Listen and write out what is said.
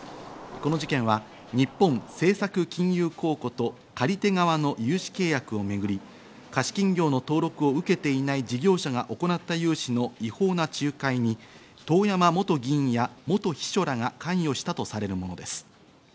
この事件は日本政策金融公庫と借り手側の融資契約をめぐり、貸金業の登録を受けていない事業者が行った融資の違法な仲介に遠山元議員や元秘書らが関与したとされるものです。